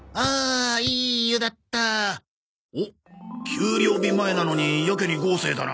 給料日前なのにやけに豪勢だな。